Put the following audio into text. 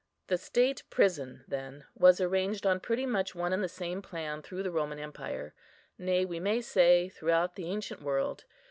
The state prison, then, was arranged on pretty much one and the same plan through the Roman empire, nay, we may say, throughout the ancient world.